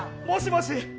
もしもし。